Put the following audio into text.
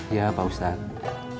iya pak ustadz